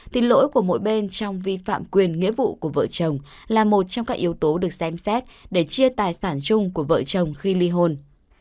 thì lỗi của mỗi bên trong vi phạm quyền nghĩa vụ của vợ chồng là một trong các yếu tố được xem xét để chia tài sản chung của vợ chồng khi ly hôn